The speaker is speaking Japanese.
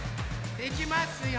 いきますよ。